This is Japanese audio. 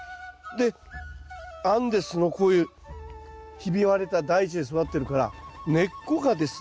でアンデスのこういうひび割れた大地で育ってるから根っこがですね